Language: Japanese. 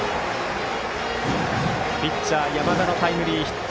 ピッチャー、山田のタイムリーヒット。